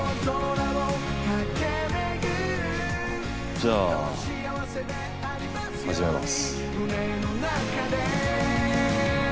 じゃあ始めます。